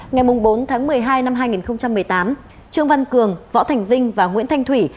ngày bốn tháng một mươi hai năm hai nghìn một mươi tám trương văn cường võ thành vinh và nguyễn thanh thủy